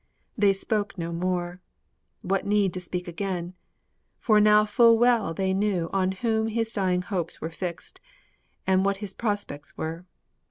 They spoke no more. What need to speak again? for now full well They knew on whom his dying hopes were fixed, And what his prospects were.